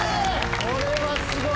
これはすごい！